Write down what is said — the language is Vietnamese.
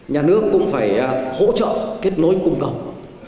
nhà nước cũng phải hỗ trợ kết nối cung cầu